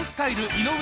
・井上